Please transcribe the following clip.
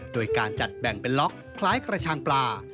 โดยการจัดแบ่งเป็นล็อกคล้ายกระชังปลา